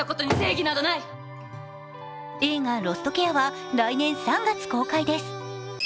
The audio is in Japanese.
映画「ロストケア」は来年３月公開です。